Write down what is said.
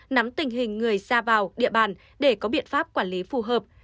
nắm tình hình người ra vào địa bàn để có biện pháp quản lý phù hợp